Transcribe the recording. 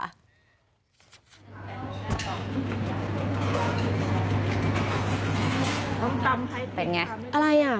ส้มตำเป็นไงอะไรอ่ะ